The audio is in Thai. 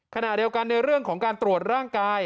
ขณะเดียวกันในเรื่องของการตรวจร่างกาย